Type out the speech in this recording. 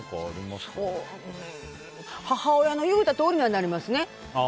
母親の言うたとおりにはなりますよね。